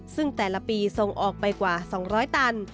ซึ่งแต่ละปีส่งออกไปกว่า๒๐๐ตัน